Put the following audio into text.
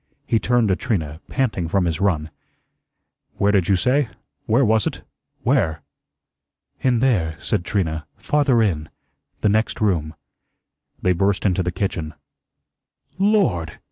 He turned to Trina, panting from his run. "Where did you say where was it where?" "In there," said Trina, "farther in the next room." They burst into the kitchen. "LORD!"